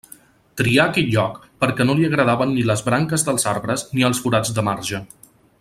Trià aquell lloc perquè no li agradaven ni les branques dels arbres ni els forats de marge.